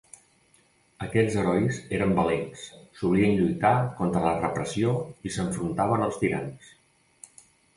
Aquests herois eren valents, solien lluitar contra la repressió i s'enfrontaven als tirans.